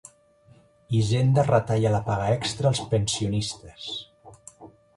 Hisenda retalla la paga extra als pensionistes.